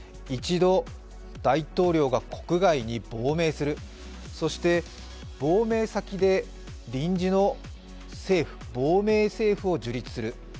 一度、大統領が国外に亡命する、そして亡命先で臨時の政府、亡命政府を樹立する。